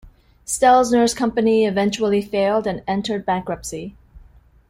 Stelzner's company eventually failed and entered bankruptcy.